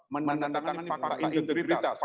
menandangkan fakta integritas